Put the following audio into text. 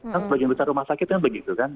kan sebagian besar rumah sakit kan begitu kan